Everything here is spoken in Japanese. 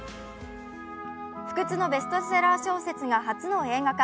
不屈のベストセラー小説が初の映画化。